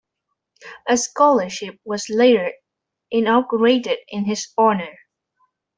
A scholarship was later inaugurated in his honor.